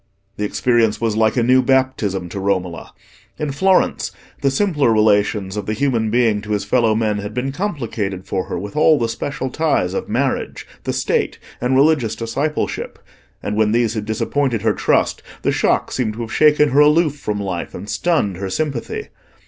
The experience was like a new baptism to Romola. In Florence the simpler relations of the human being to his fellow men had been complicated for her with all the special ties of marriage, the State, and religious discipleship, and when these had disappointed her trust, the shock seemed to have shaken her aloof from life and stunned her sympathy.